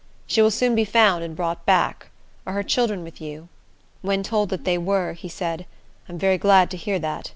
She will soon be found and brought back. Are her children with you?" When told that they were, he said, "I am very glad to hear that.